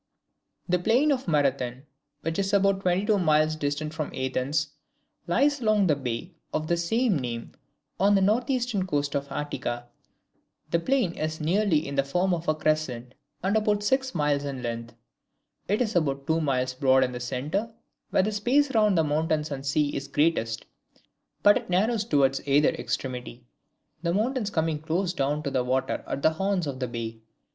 The plain of Marathon, which is about twenty two miles distant from Athens, lies along the bay of the same name on the north eastern coast of Attica. The plain is nearly in the form of a crescent, and about six miles in length. It is about two miles broad in the centre, where the space between the mountains and the sea is greatest, but it narrows towards either extremity, the mountains coming close down to the water at the horns of the bay.